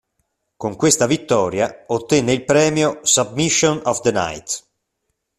Con questa vittoria ottenne il premio "Submission of the Night".